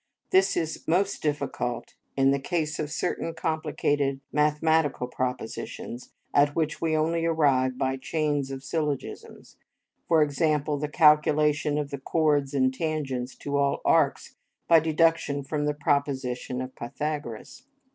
This is most difficult in the case of certain complicated mathematical propositions at which we only arrive by chains of syllogisms; for example, the calculation of the chords and tangents to all arcs by deduction from the proposition of Pythagoras.